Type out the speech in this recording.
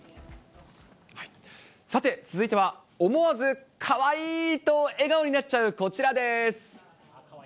さて、続いては思わずかわいい！と笑顔になっちゃうこちらです。